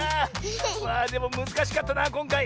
まあでもむずかしかったなこんかい。